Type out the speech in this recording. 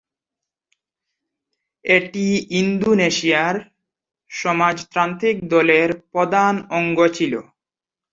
এটি ইন্দোনেশিয়ার সমাজতান্ত্রিক দলের প্রধান অঙ্গ ছিল।